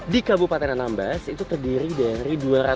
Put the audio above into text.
di kabupaten anambas itu terdiri dari